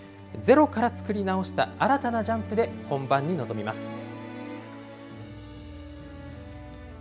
ゼロから作り直した新たなジャンプで本番に臨みます。